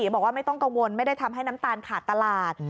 บอกว่าไม่ต้องกังวลไม่ได้ทำให้น้ำตาลขาดตลาด